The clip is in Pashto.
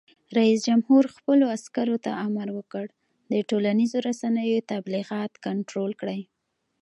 رئیس جمهور خپلو عسکرو ته امر وکړ؛ د ټولنیزو رسنیو تبلیغات کنټرول کړئ!